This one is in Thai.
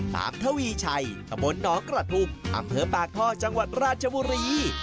สามทวีชัยตะบนหนองกระทุ่มอำเภอปากท่อจังหวัดราชบุรี